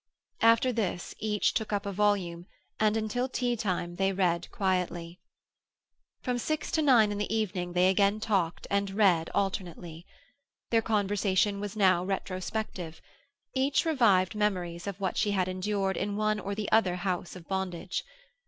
After this each took up a volume, and until teatime they read quietly. From six to nine in the evening they again talked and read alternately. Their conversation was now retrospective; each revived memories of what she had endured in one or the other house of bondage.